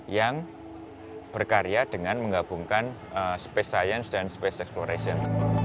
yang berkarya dengan menggabungkan space science dan space exploration